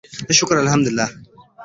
زه ښه یم شکر الحمدالله